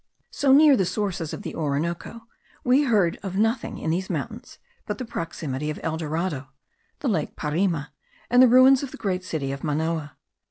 So near the sources of the Orinoco we heard of nothing in these mountains but the proximity of El Dorado, the lake Parima, and the ruins of the great city of Manoa.